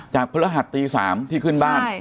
จากพระหัสตี๓ที่ขึ้นบ้าน